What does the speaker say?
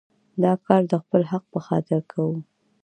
دا کار د خپل حق په خاطر کوو.